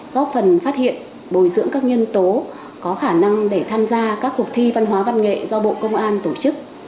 góp phần phát hiện bồi dưỡng các nhân tố có khả năng để tham gia các cuộc thi văn hóa văn nghệ do bộ công an tổ chức